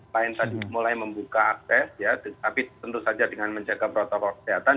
lain tadi mulai membuka akses tapi tentu saja dengan menjaga protokol kesehatan